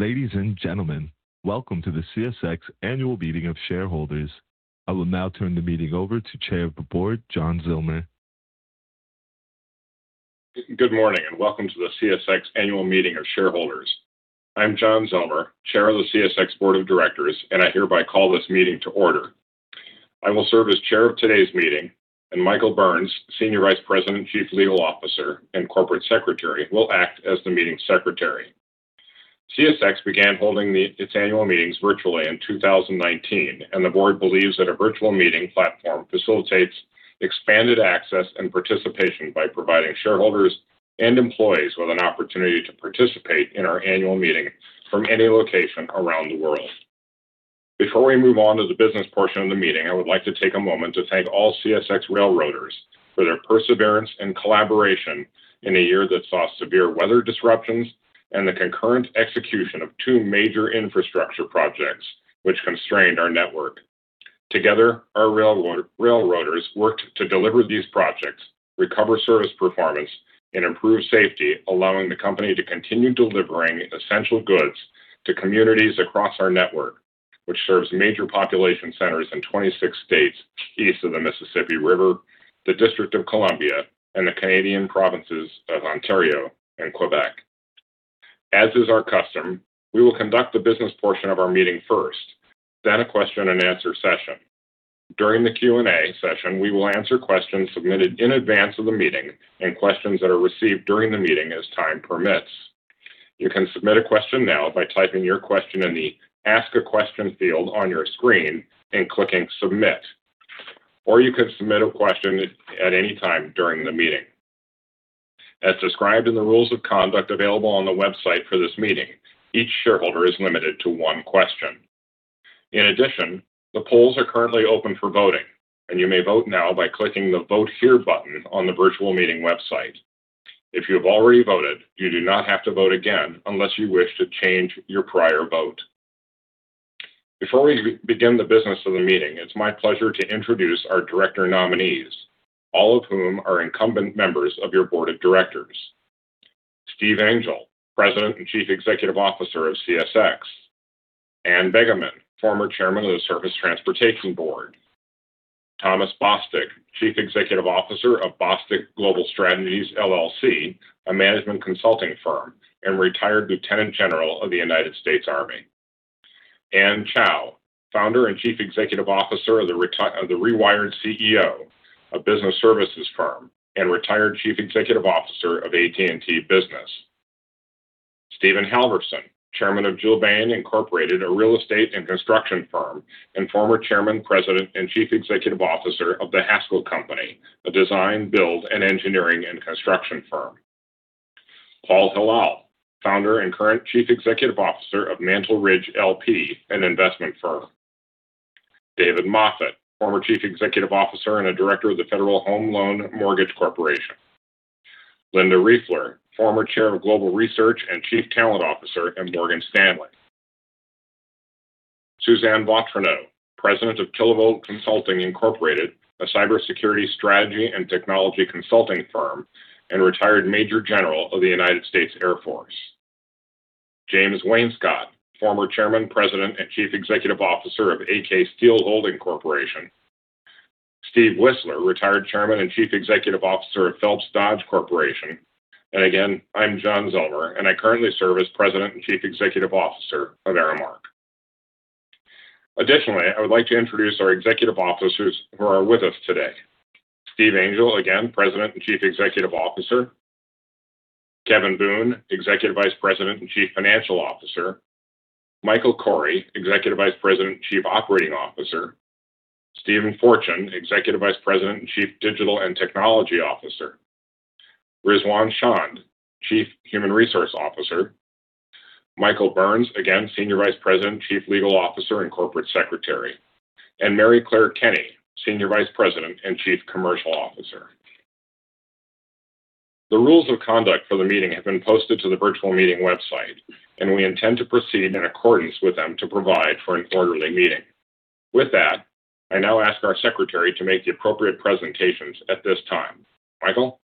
Ladies and gentlemen, welcome to the CSX Annual Meeting of Shareholders. I will now turn the meeting over to Chair of the Board, John J. Zillmer. Good morning, welcome to the CSX Annual Meeting of Shareholders. I'm John J. Zillmer, Chair of the CSX Board of Directors. I hereby call this meeting to order. I will serve as Chair of today's meeting. Michael Burns, Senior Vice President, Chief Legal Officer, and Corporate Secretary, will act as the meeting secretary. CSX began holding its annual meetings virtually in 2019. The Board believes that a virtual meeting platform facilitates expanded access and participation by providing shareholders and employees with an opportunity to participate in our annual meeting from any location around the world. Before we move on to the business portion of the meeting, I would like to take a moment to thank all CSX railroaders for their perseverance and collaboration in a year that saw severe weather disruptions and the concurrent execution of two major infrastructure projects which constrained our network. Together, our railroaders worked to deliver these projects, recover service performance, and improve safety, allowing the company to continue delivering essential goods to communities across our network, which serves major population centers in 26 states east of the Mississippi River, the District of Columbia, and the Canadian provinces of Ontario and Quebec. As is our custom, we will conduct the business portion of our meeting first, then a question-and-answer session. During the Q&A session, we will answer questions submitted in advance of the meeting and questions that are received during the meeting as time permits. You can submit a question now by typing your question in the Ask a Question field on your screen and clicking Submit. You can submit a question at any time during the meeting. As described in the rules of conduct available on the website for this meeting, each shareholder is limited to one question. The polls are currently open for voting, and you may vote now by clicking the Vote Here button on the virtual meeting website. If you have already voted, you do not have to vote again unless you wish to change your prior vote. Before we begin the business of the meeting, it's my pleasure to introduce our director nominees, all of whom are incumbent members of your board of directors. Steve Angel, President and Chief Executive Officer of CSX. Ann Begeman, former Chairman of the Surface Transportation Board. Thomas Bostick, Chief Executive Officer of Bostick Global Strategies, LLC, a management consulting firm, and retired Lieutenant General of the United States Army. Anne Chow, Founder and Chief Executive Officer of The Rewired CEO, a business services firm, and retired Chief Executive Officer of AT&T Business. Steven T. Halverson, Chairman of Gilbane, Inc., a real estate and construction firm, and former Chairman, President, and Chief Executive Officer of The Haskell Company, a design, build, and engineering and construction firm. Paul Hilal, Founder and current Chief Executive Officer of Mantle Ridge LP, an investment firm. David M. Moffett, former Chief Executive Officer and a Director of the Federal Home Loan Mortgage Corporation. Linda H. Riefler, former Chair of Global Research and Chief Talent Officer at Morgan Stanley. Suzanne M. Vautrinot, President of Kilovolt Consulting Inc., a cybersecurity strategy and technology consulting firm, and retired Major General of the United States Air Force. James L. Wainscott, former Chairman, President, and Chief Executive Officer of AK Steel Holding Corporation. J. Steven Whisler, retired Chairman and Chief Executive Officer of Phelps Dodge Corporation. Again, I'm John J. Zillmer, and I currently serve as President and Chief Executive Officer of Aramark. Additionally, I would like to introduce our executive officers who are with us today. Steve Angel, again, President and Chief Executive Officer. Kevin Boone, Executive Vice President and Chief Financial Officer. Mike Cory, Executive Vice President and Chief Operating Officer. Steven Fortune, Executive Vice President and Chief Digital and Technology Officer. Riz Chand, Chief Human Resources Officer. Michael Burns, again, Senior Vice President, Chief Legal Officer, and Corporate Secretary. Maryclare Kenney, Senior Vice President and Chief Commercial Officer. The rules of conduct for the meeting have been posted to the virtual meeting website, and we intend to proceed in accordance with them to provide for an orderly meeting. With that, I now ask our secretary to make the appropriate presentations at this time. Michael?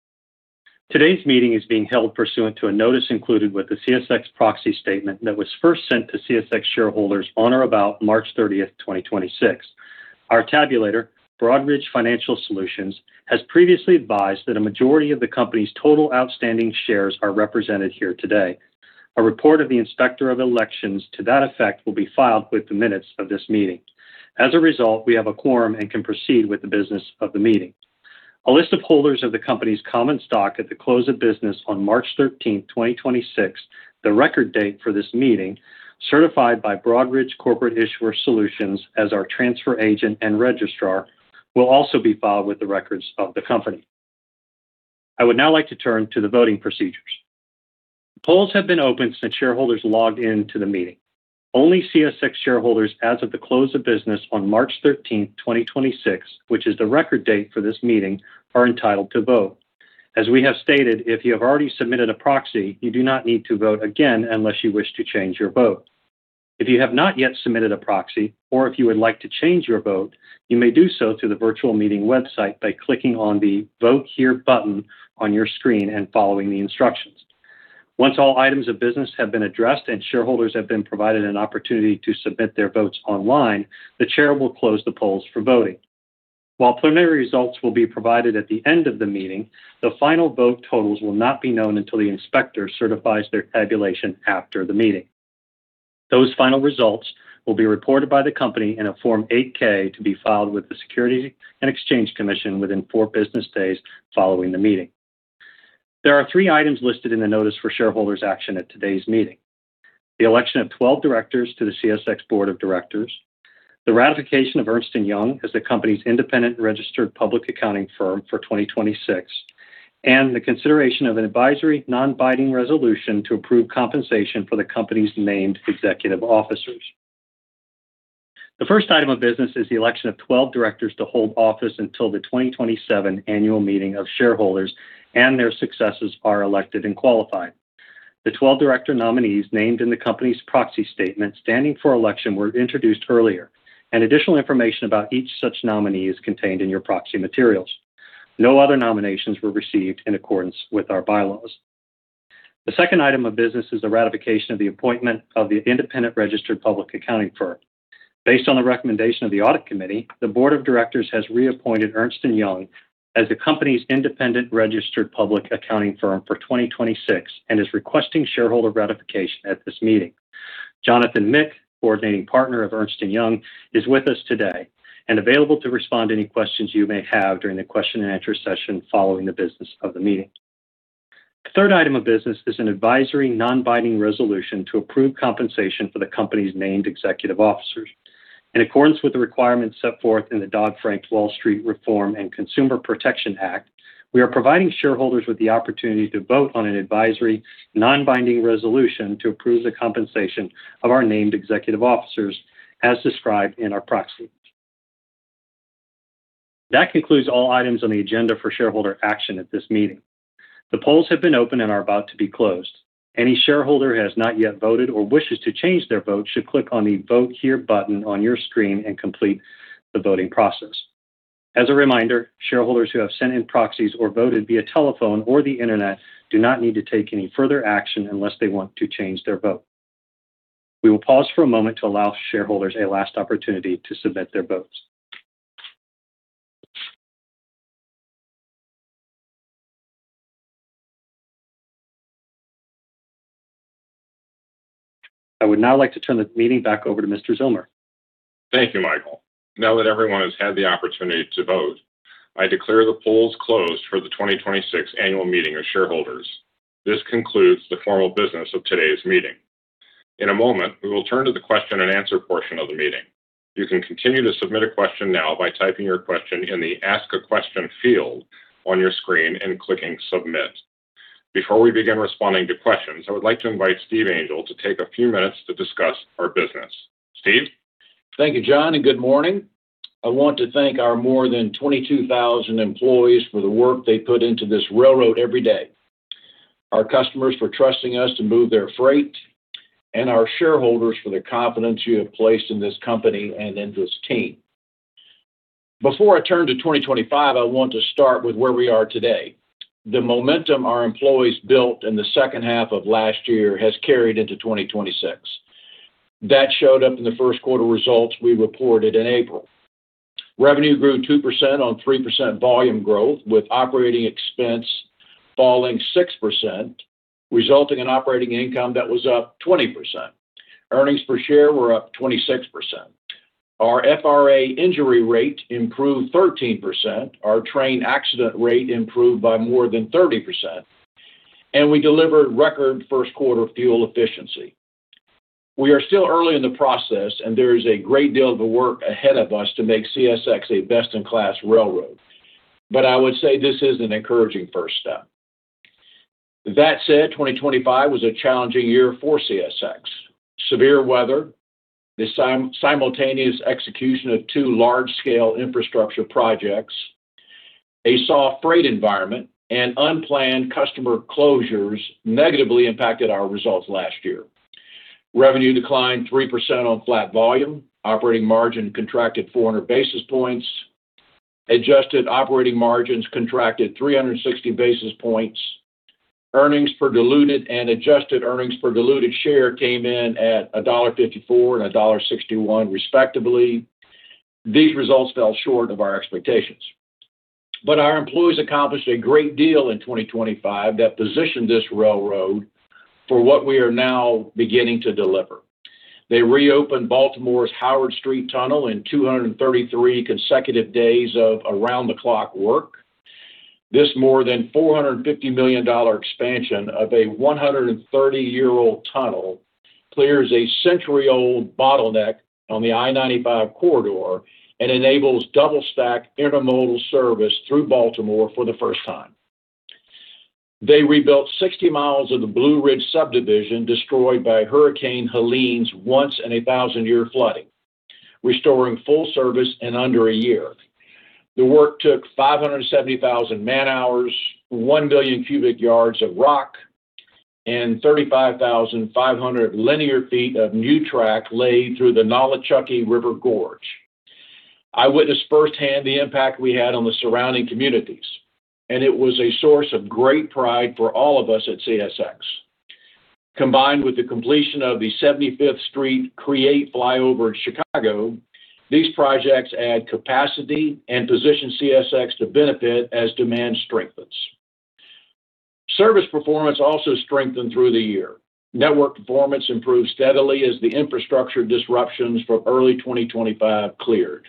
Today's meeting is being held pursuant to a notice included with the CSX proxy statement that was first sent to CSX shareholders on or about March 30th, 2026. Our tabulator, Broadridge Financial Solutions, has previously advised that a majority of the company's total outstanding shares are represented here today. A report of the Inspector of Elections to that effect will be filed with the minutes of this meeting. As a result, we have a quorum and can proceed with the business of the meeting. A list of holders of the company's common stock at the close of business on March 13th, 2026, the record date for this meeting, certified by Broadridge Corporate Issuer Solutions as our transfer agent and registrar, will also be filed with the records of the company. I would now like to turn to the voting procedures. Polls have been open since shareholders logged into the meeting. Only CSX shareholders as of the close of business on March 13th, 2026, which is the record date for this meeting, are entitled to vote. As we have stated, if you have already submitted a proxy, you do not need to vote again unless you wish to change your vote. If you have not yet submitted a proxy or if you would like to change your vote, you may do so through the virtual meeting website by clicking on the Vote Here button on your screen and following the instructions. Once all items of business have been addressed and shareholders have been provided an opportunity to submit their votes online, the chair will close the polls for voting. While preliminary results will be provided at the end of the meeting, the final vote totals will not be known until the inspector certifies their tabulation after the meeting. Those final results will be reported by the company in a Form 8-K to be filed with the Securities and Exchange Commission within four business days following the meeting. There are three items listed in the notice for shareholders action at today's meeting. The election of 12 directors to the CSX Board of Directors, the ratification of Ernst & Young as the company's independent registered public accounting firm for 2026, and the consideration of an advisory non-binding resolution to approve compensation for the company's named executive officers. The first item of business is the election of 12 directors to hold office until the 2027 annual meeting of shareholders and their successors are elected and qualified. The 12 director nominees named in the company's proxy statement standing for election were introduced earlier, and additional information about each such nominee is contained in your proxy materials. No other nominations were received in accordance with our bylaws. The second item of business is the ratification of the appointment of the independent registered public accounting firm. Based on the recommendation of the audit committee, the board of directors has reappointed Ernst & Young as the company's independent registered public accounting firm for 2026 and is requesting shareholder ratification at this meeting. Jonathan Mick, coordinating partner of Ernst & Young, is with us today and available to respond to any questions you may have during the question and answer session following the business of the meeting. The third item of business is an advisory non-binding resolution to approve compensation for the company's named executive officers. In accordance with the requirements set forth in the Dodd-Frank Wall Street Reform and Consumer Protection Act, we are providing shareholders with the opportunity to vote on an advisory non-binding resolution to approve the compensation of our named executive officers as described in our proxy. That concludes all items on the agenda for shareholder action at this meeting. The polls have been open and are about to be closed. Any shareholder has not yet voted or wishes to change their vote should click on the Vote Here button on your screen and complete the voting process. As a reminder, shareholders who have sent in proxies or voted via telephone or the Internet do not need to take any further action unless they want to change their vote. We will pause for a moment to allow shareholders a last opportunity to submit their votes. I would now like to turn the meeting back over to Mr. Zillmer. Thank you, Michael. Now that everyone has had the opportunity to vote, I declare the polls closed for the 2026 annual meeting of shareholders. This concludes the formal business of today's meeting. In a moment, we will turn to the question and answer portion of the meeting. You can continue to submit a question now by typing your question in the Ask a Question field on your screen and clicking Submit. Before we begin responding to questions, I would like to invite Steve Angel to take a few minutes to discuss our business. Steve? Thank you, John. Good morning. I want to thank our more than 22,000 employees for the work they put into this railroad every day, our customers for trusting us to move their freight, and our shareholders for the confidence you have placed in this company and in this team. Before I turn to 2025, I want to start with where we are today. The momentum our employees built in the second half of last year has carried into 2026. That showed up in the first quarter results we reported in April. Revenue grew 2% on 3% volume growth, with operating expense falling 6%, resulting in operating income that was up 20%. Earnings per share were up 26%. Our FRA injury rate improved 13%. Our train accident rate improved by more than 30%, and we delivered record first quarter fuel efficiency. We are still early in the process, and there is a great deal of work ahead of us to make CSX a best-in-class railroad, but I would say this is an encouraging first step. That said, 2025 was a challenging year for CSX. Severe weather, the simultaneous execution of two large-scale infrastructure projects, a soft freight environment, and unplanned customer closures negatively impacted our results last year. Revenue declined 3% on flat volume. Operating margin contracted 400 basis points. Adjusted operating margins contracted 360 basis points. Earnings per diluted and adjusted earnings per diluted share came in at $1.54 and $1.61, respectively. These results fell short of our expectations. Our employees accomplished a great deal in 2025 that positioned this railroad for what we are now beginning to deliver. They reopened Baltimore's Howard Street Tunnel in 233 consecutive days of around-the-clock work. This more than $450 million expansion of a 130-year-old tunnel clears a century-old bottleneck on the I-95 corridor and enables double-stack intermodal service through Baltimore for the first time. They rebuilt 60 miles of the Blue Ridge Subdivision destroyed by Hurricane Helene's once-in-a-thousand-year flooding. Restoring full service in under a year. The work took 570,000 man-hours, 1 billion cubic yards of rock, and 35,500 linear feet of new track laid through the Nolichucky River Gorge. I witnessed firsthand the impact we had on the surrounding communities, and it was a source of great pride for all of us at CSX. Combined with the completion of the 75th Street CREATE flyover in Chicago, these projects add capacity and position CSX to benefit as demand strengthens. Service performance also strengthened through the year. Network performance improved steadily as the infrastructure disruptions from early 2025 cleared.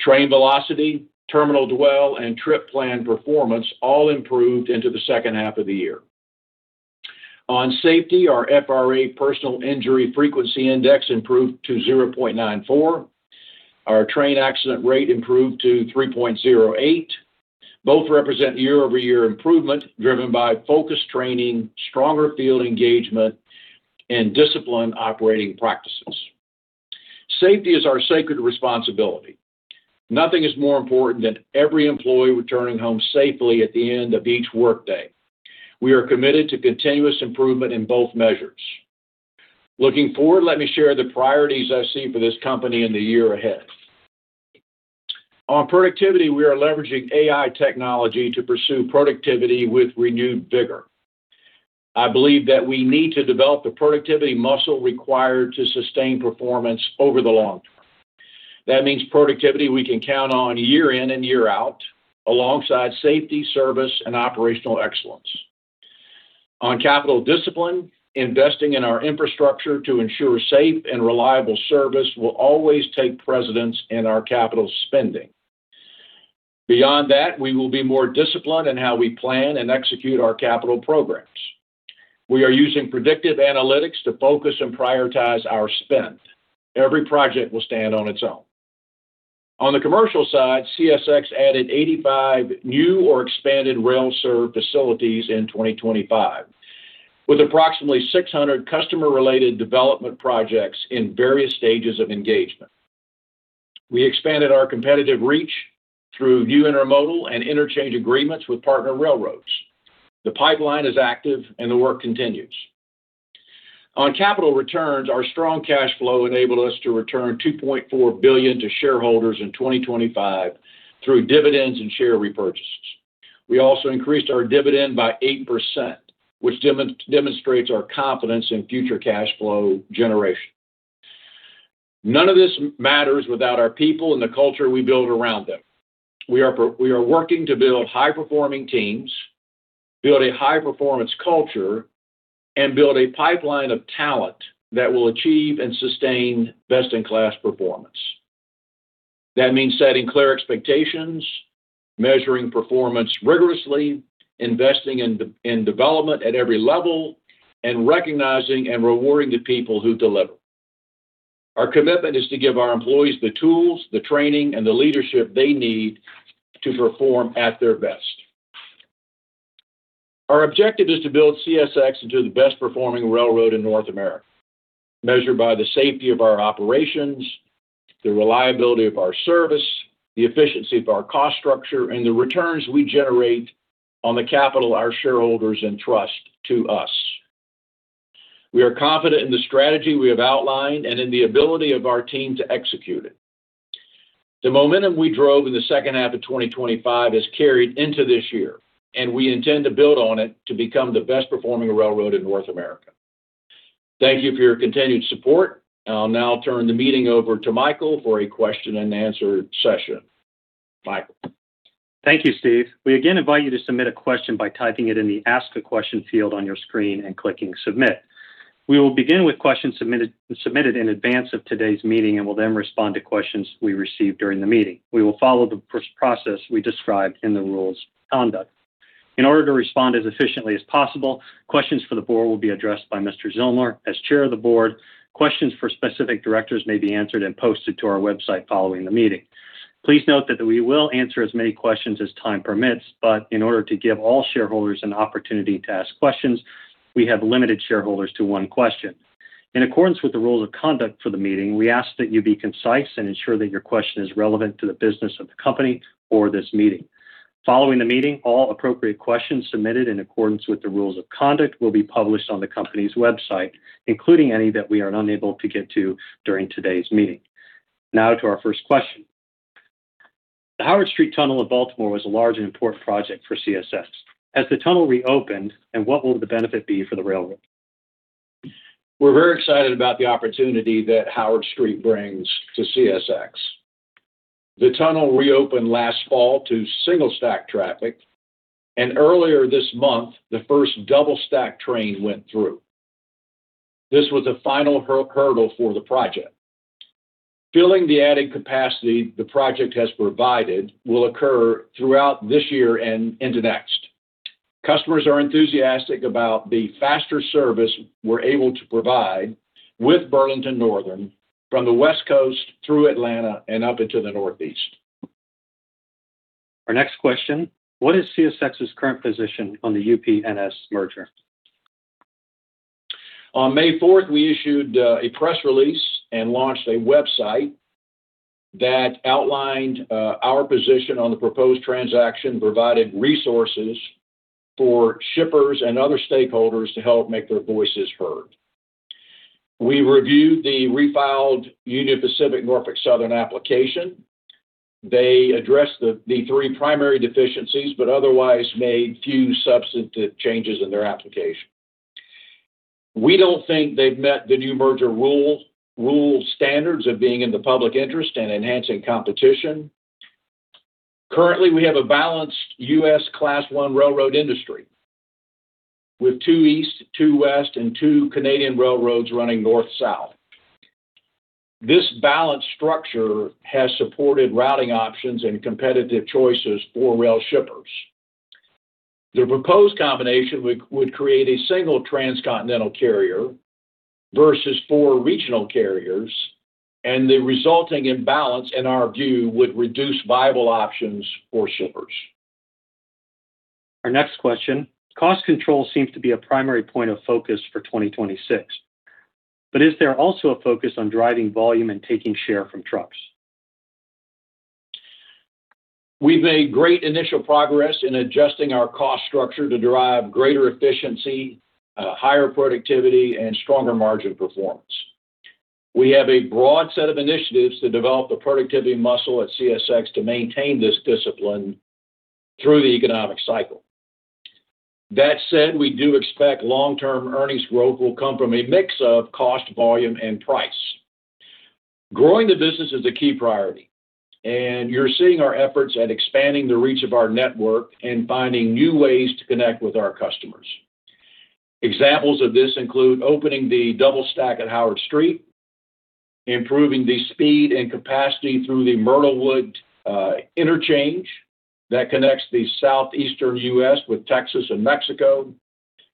Train velocity, terminal dwell, and trip plan performance all improved into the second half of the year. On safety, our FRA Personal Injury Frequency Index improved to 0.94. Our train accident rate improved to 3.08. Both represent year-over-year improvement driven by focused training, stronger field engagement, and disciplined operating practices. Safety is our sacred responsibility. Nothing is more important than every employee returning home safely at the end of each workday. We are committed to continuous improvement in both measures. Looking forward, let me share the priorities I see for this company in the year ahead. On productivity, we are leveraging AI technology to pursue productivity with renewed vigor. I believe that we need to develop the productivity muscle required to sustain performance over the long term. That means productivity we can count on year in and year out alongside safety, service, and operational excellence. On capital discipline, investing in our infrastructure to ensure safe and reliable service will always take precedence in our capital spending. Beyond that, we will be more disciplined in how we plan and execute our capital programs. We are using predictive analytics to focus and prioritize our spend. Every project will stand on its own. On the commercial side, CSX added 85 new or expanded rail-served facilities in 2025, with approximately 600 customer-related development projects in various stages of engagement. We expanded our competitive reach through new intermodal and interchange agreements with partner railroads. The pipeline is active, and the work continues. On capital returns, our strong cash flow enabled us to return $2.4 billion to shareholders in 2025 through dividends and share repurchases. We also increased our dividend by 8%, which demonstrates our confidence in future cash flow generation. None of this matters without our people and the culture we build around them. We are working to build high-performing teams, build a high-performance culture, and build a pipeline of talent that will achieve and sustain best-in-class performance. That means setting clear expectations, measuring performance rigorously, investing in development at every level, and recognizing and rewarding the people who deliver. Our commitment is to give our employees the tools, the training, and the leadership they need to perform at their best. Our objective is to build CSX into the best-performing railroad in North America, measured by the safety of our operations, the reliability of our service, the efficiency of our cost structure, and the returns we generate on the capital our shareholders entrust to us. We are confident in the strategy we have outlined and in the ability of our team to execute it. The momentum we drove in the second half of 2025 has carried into this year. We intend to build on it to become the best-performing railroad in North America. Thank you for your continued support. I'll now turn the meeting over to Michael for a question-and-answer session. Michael. Thank you, Steve. We again invite you to submit a question by typing it in the Ask a Question field on your screen and clicking Submit. We will begin with questions submitted in advance of today's meeting and will then respond to questions we receive during the meeting. We will follow the process we described in the Rules of Conduct. In order to respond as efficiently as possible, questions for the Board will be addressed by Mr. Zillmer as Chair of the Board. Questions for specific directors may be answered and posted to our website following the meeting. Please note that we will answer as many questions as time permits, but in order to give all shareholders an opportunity to ask questions, we have limited shareholders to one question. In accordance with the rules of conduct for the meeting, we ask that you be concise and ensure that your question is relevant to the business of the company or this meeting. Following the meeting, all appropriate questions submitted in accordance with the rules of conduct will be published on the company's website, including any that we are unable to get to during today's meeting. To our first question. The Howard Street Tunnel in Baltimore was a large and important project for CSX. Has the tunnel reopened, and what will the benefit be for the railroad? We're very excited about the opportunity that Howard Street brings to CSX. The tunnel reopened last fall to single-stack traffic, and earlier this month, the first double-stack train went through. This was a final hurdle for the project. Filling the added capacity the project has provided will occur throughout this year and into next. Customers are enthusiastic about the faster service we're able to provide with BNSF Railway from the West Coast through Atlanta and up into the Northeast. Our next question: What is CSX's current position on the UP-NS merger? On May 4, we issued a press release and launched a website that outlined our position on the proposed transaction, provided resources for shippers and other stakeholders to help make their voices heard. We reviewed the refiled Union Pacific Norfolk Southern application. They addressed the three primary deficiencies but otherwise made few substantive changes in their application. We don't think they've met the new merger rule standards of being in the public interest and enhancing competition. Currently, we have a balanced U.S. Class I railroad industry with two east, two west, and two Canadian railroads running north, south. This balanced structure has supported routing options and competitive choices for rail shippers. The proposed combination would create a single transcontinental carrier versus four regional carriers, and the resulting imbalance, in our view, would reduce viable options for shippers. Our next question: Cost control seems to be a primary point of focus for 2026. Is there also a focus on driving volume and taking share from trucks? We've made great initial progress in adjusting our cost structure to derive greater efficiency, higher productivity, and stronger margin performance. We have a broad set of initiatives to develop the productivity muscle at CSX to maintain this discipline through the economic cycle. That said, we do expect long-term earnings growth will come from a mix of cost, volume, and price. Growing the business is a key priority, and you're seeing our efforts at expanding the reach of our network and finding new ways to connect with our customers. Examples of this include opening the double stack at Howard Street, improving the speed and capacity through the Myrtlewood interchange that connects the southeastern U.S. with Texas and Mexico,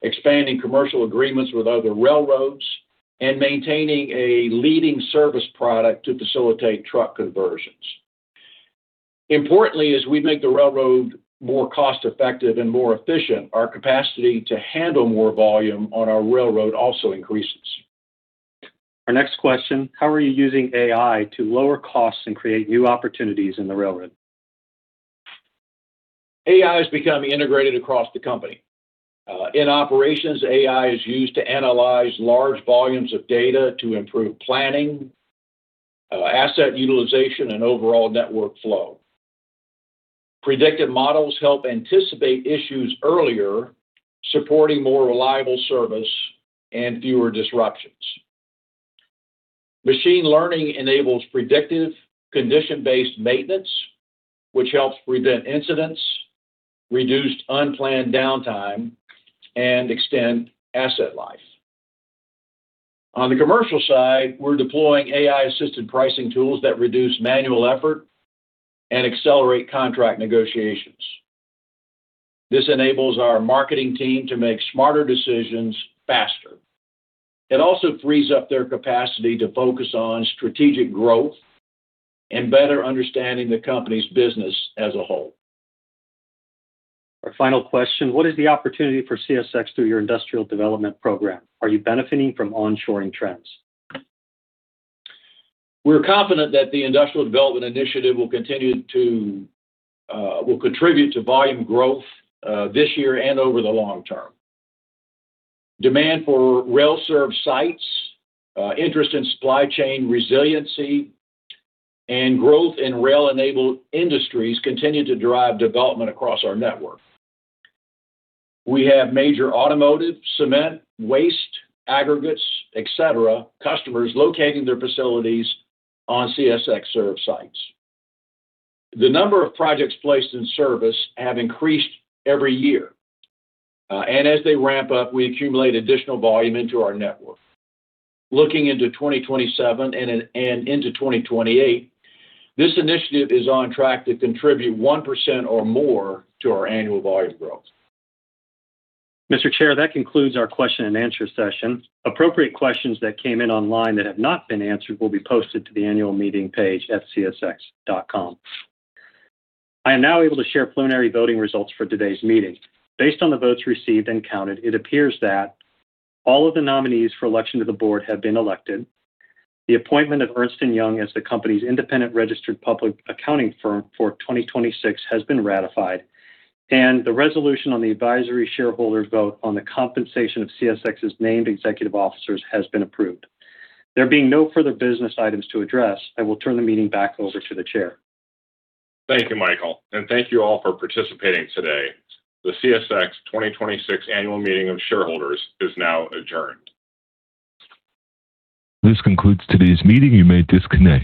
expanding commercial agreements with other railroads, and maintaining a leading service product to facilitate truck conversions. Importantly, as we make the railroad more cost-effective and more efficient, our capacity to handle more volume on our railroad also increases. Our next question: How are you using AI to lower costs and create new opportunities in the railroad? AI is becoming integrated across the company. In operations, AI is used to analyze large volumes of data to improve planning, asset utilization, and overall network flow. Predictive models help anticipate issues earlier, supporting more reliable service and fewer disruptions. Machine learning enables predictive condition-based maintenance, which helps prevent incidents, reduce unplanned downtime, and extend asset life. On the commercial side, we're deploying AI-assisted pricing tools that reduce manual effort and accelerate contract negotiations. This enables our marketing team to make smarter decisions faster. It also frees up their capacity to focus on strategic growth and better understanding the company's business as a whole. Our final question: What is the opportunity for CSX through your industrial development program? Are you benefiting from onshoring trends? We're confident that the industrial development initiative will continue to, will contribute to volume growth this year and over the long term. Demand for rail-served sites, interest in supply chain resiliency, and growth in rail-enabled industries continue to drive development across our network. We have major automotive, cement, waste, aggregates, et cetera, customers locating their facilities on CSX-served sites. The number of projects placed in service have increased every year. As they ramp up, we accumulate additional volume into our network. Looking into 2027 and into 2028, this initiative is on track to contribute 1% or more to our annual volume growth. Mr. Chair, that concludes our question and answer session. Appropriate questions that came in online that have not been answered will be posted to the annual meeting page at csx.com. I am now able to share preliminary voting results for today's meeting. Based on the votes received and counted, it appears that all of the nominees for election to the board have been elected. The appointment of Ernst & Young as the company's independent registered public accounting firm for 2026 has been ratified, and the resolution on the advisory shareholders vote on the compensation of CSX's named executive officers has been approved. There being no further business items to address, I will turn the meeting back over to the chair. Thank you, Michael. Thank you all for participating today. The CSX 2026 annual meeting of shareholders is now adjourned. This concludes today's meeting. You may disconnect.